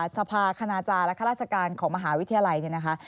สภาคณาจารย์และข้าราชการของมหาวิทยาลัยเนี่ยนะคะ